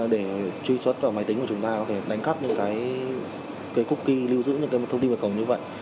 để truy xuất vào máy tính của chúng ta có thể đánh cắp những cái cookie lưu giữ những cái thông tin mật khẩu như vậy